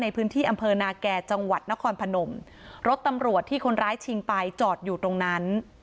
ในพื้นที่อำเภอนาแก่จังหวัดนครพนมรถตำรวจที่คนร้ายชิงไปจอดอยู่ตรงนั้น